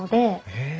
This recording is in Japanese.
へえ。